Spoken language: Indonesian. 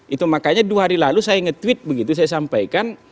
itu makanya dua hari lalu saya nge tweet begitu saya sampaikan